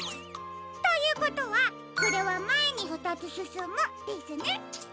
ということはこれはまえにふたつすすむですね。